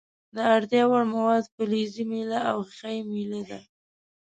د اړتیا وړ مواد فلزي میله او ښيښه یي میله ده.